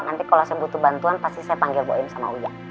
nanti kalau saya butuh bantuan pasti saya panggil bu ayim sama uya